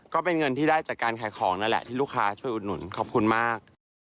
ก็เป็นเงินที่ได้จากการขายของนั่นแหละที่ลูกค้าช่วยอุดหนุนขอบคุณมาก